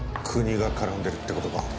国が絡んでるってことか。